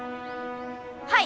はい！